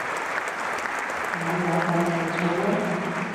我冇介紹錯呢